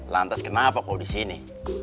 lantas kenapa kau disini